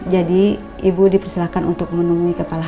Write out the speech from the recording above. jadi ibu dipersilakan untuk menemui kepala hrd